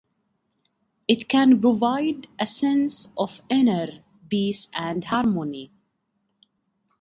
It can provide a sense of inner peace and harmony.